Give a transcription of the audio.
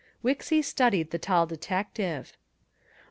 Wixy studied the tall detective.